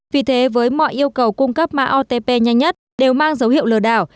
vì thế với mọi yêu cầu cung cấp mã otp nhanh nhất đều mang dấu hiệu lừa đảo